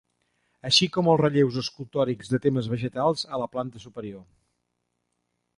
Així com els relleus escultòrics de temes vegetals a la planta superior.